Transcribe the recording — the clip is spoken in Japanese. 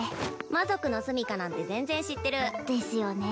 魔族のすみかなんて全然知ってるですよね